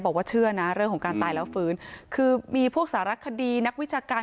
บอกว่าเชื่อนะเรื่องของการตายแล้วฟื้นคือมีพวกสารคดีนักวิชาการ